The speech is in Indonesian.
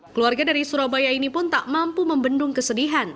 keluarga dari surabaya ini pun tak mampu membendung kesedihan